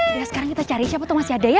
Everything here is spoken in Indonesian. udah sekarang kita cari siapa tuh masih ada ya